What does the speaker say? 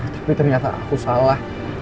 tapi ternyata aku salah